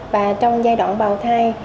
và trong giai đoạn bào thai